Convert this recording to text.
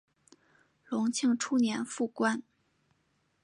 隆庆初年复官。